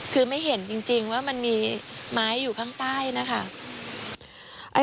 คือไม่เห็นจริงว่ามันมีไม้อยู่ข้างใต้นะคะ